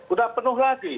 sudah penuh lagi